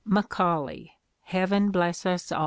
Macaulay, heaven bless us aU!